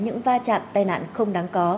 những va chạm tai nạn không đáng có